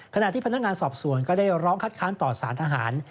ขณะที่พนักงานสอบสวนก็ได้ร้องคัดค้านต่อสารทหาร